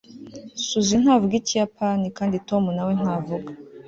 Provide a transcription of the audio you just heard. susie ntavuga ikiyapani, kandi tom na we ntavuga